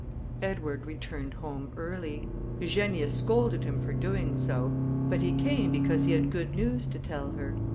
Edward returned home early. Eugenia scolded him for doing so; but he came because he had good news to tell her.